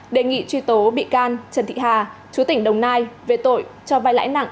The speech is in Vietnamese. đề nghị truy tố bị can trần thị hà chú tỉnh đồng nai về tội cho vai lãi nặng